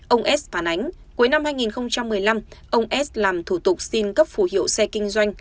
ông s phản ánh cuối năm hai nghìn một mươi năm ông s làm thủ tục xin cấp phủ hiệu xe kinh doanh